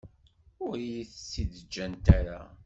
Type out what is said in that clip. Ur iyi-t-id-ǧǧant ara.